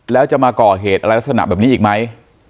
แล้วจะมาก่อเหตุอะไรลักษณะแบบนี้อีกไหม